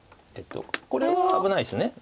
これは危ないです。